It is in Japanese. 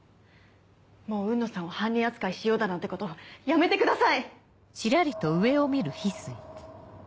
もう雲野さんを犯人扱いしようだなんてことやめてください！